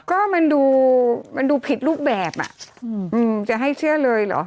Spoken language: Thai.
ก็มันดูมันดูผิดรูปแบบอ่ะจะให้เชื่อเลยเหรอ